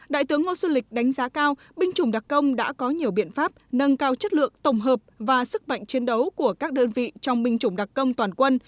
đại tướng ngô xuân lịch đánh giá cao binh chủng đặc công đã có nhiều biện pháp nâng cao chất lượng tổng hợp và sức mạnh chiến đấu của các đơn vị trong binh chủng đặc công toàn quân